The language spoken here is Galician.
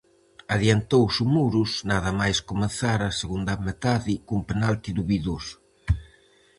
Adiantouse o Muros nada máis comezar a segunda metade cun penalti dubidoso.